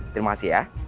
terima kasih ya